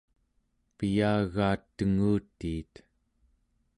piyagaat tengutiit